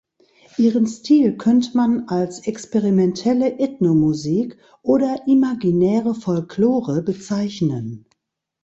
Ihren Stil könnte man als experimentelle Ethno-Musik oder Imaginäre Folklore bezeichnen.